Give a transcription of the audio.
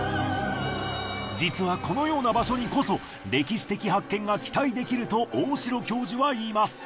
実はこのような場所にこそ歴史的発見が期待できると大城教授は言います。